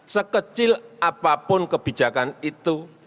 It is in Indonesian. sekecil apapun kebijakan itu